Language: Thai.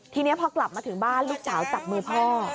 ทีนี้พอกลับมาถึงบ้านลูกสาวจับมือพ่อ